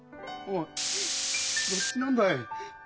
おいどっちなんだ？